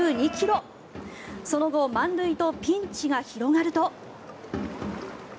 その後、満塁とピンチが広がると。